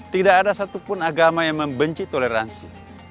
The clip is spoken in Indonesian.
tidak ada satupun agama yang membenci toleransi